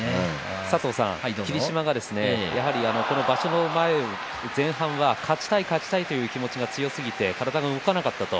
霧島がやはりこの場所前、前半は勝ちたい勝ちたいという気持ちが強すぎて、体が動かなかったと。